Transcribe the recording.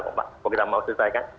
kalau kita mau selesaikan